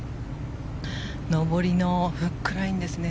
上りのフックラインですね